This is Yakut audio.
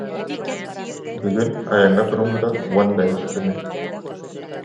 Бүгүн айаҥҥа туруммута уон бэһис күнэ